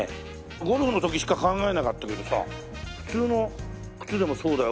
ゴルフの時しか考えなかったけどさ普通の靴でもそうだよ